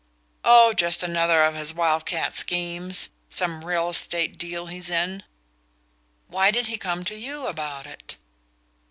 "Oh, just another of his wild cat schemes some real estate deal he's in." "Why did he come to YOU about it?"